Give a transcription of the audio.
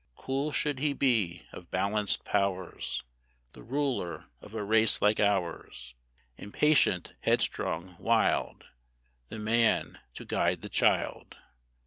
Cool should he be, of balanced powers, The ruler of a race like ours, Impatient, headstrong, wild, The Man to guide the Child.